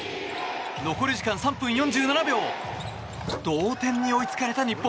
残り時間３分４７秒同点に追いつかれた日本。